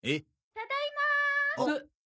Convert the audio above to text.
ただいまー！